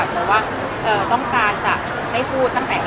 เหมือนว่าต้องการจะไม่พูดตั้งแต่แรก